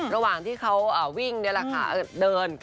ระหว่างที่เขาวิ่งเดิน